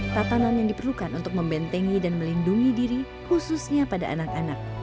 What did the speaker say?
tatanan yang diperlukan untuk membentengi dan melindungi diri khususnya pada anak anak